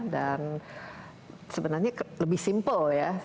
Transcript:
dan sebenarnya lebih simple ya